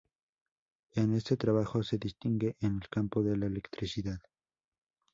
En este trabajo se distingue en el campo de la electricidad.